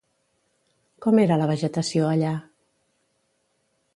Com era la vegetació allà?